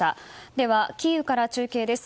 ではキーウから中継です。